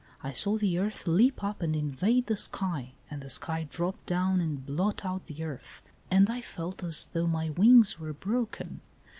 I saw the earth leap up and invade the sky and the sky drop down and blot out the earth, and I felt as though my wings were broken.